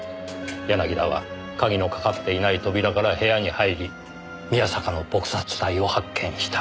柳田は鍵のかかっていない扉から部屋に入り宮坂の撲殺体を発見した。